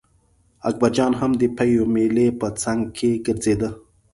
اکبرجان هم د پېوې مېلې په څنګ کې ګرځېده.